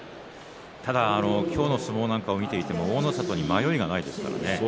ただ今日の相撲なんかを見ていても大の里に迷いがないですからね。